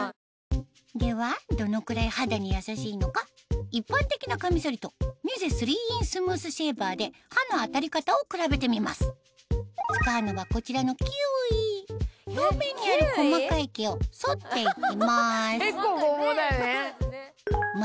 ではどのくらい肌に優しいのか一般的なカミソリとミュゼ３ｉｎスムースシェーバーで刃の当たり方を比べてみます使うのはこちらの表面にある細かい毛を剃って行きます